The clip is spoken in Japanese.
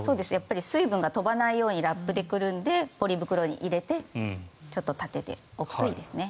水分が飛ばないようにラップでくるんでポリ袋に入れて立てておくといいですね。